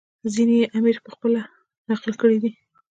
ځینې یې امیر پخپله نقل کړي دي.